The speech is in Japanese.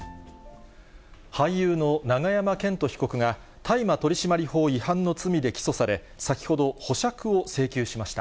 俳優の永山絢斗被告が、大麻取締法違反の罪で起訴され、先ほど、保釈を請求しました。